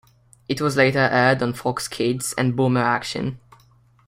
It was later aired on Fox Kids and Boomeraction.